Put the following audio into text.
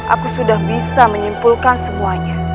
aku sudah bisa menyimpulkan semuanya